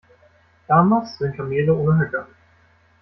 Lamas sind Kamele ohne Höcker.